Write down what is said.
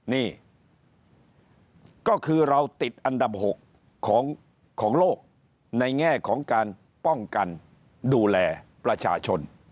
นี่ก็คือเราติดอันดับ๖ของโลกในแง่ของการป้องกันดูแลประชาชน